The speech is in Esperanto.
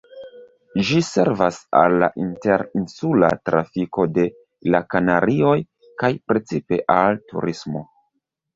Ĝi servas al la inter-insula trafiko de la Kanarioj kaj precipe al turismo.